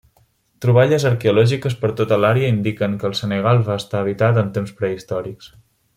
Troballes arqueològiques per tota l'àrea indiquen que el Senegal va estar habitat en temps prehistòrics.